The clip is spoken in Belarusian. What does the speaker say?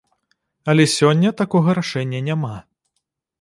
Але сёння такога рашэння няма.